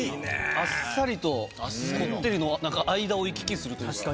「あっさり」と「こってり」の間を行き来するというか。